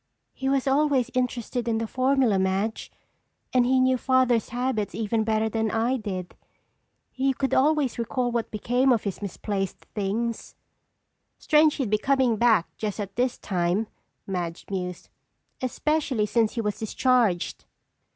"He was always interested in the formula, Madge. And he knew Father's habits even better than I did. He could always recall what became of his misplaced things." "Strange he'd be coming back just at this time," Madge mused. "Especially since he was discharged."